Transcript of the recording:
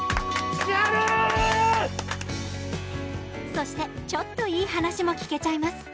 そしてちょっといい話も聞けちゃいます。